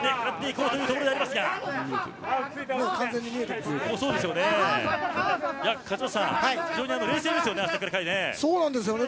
完全に見えてますよね。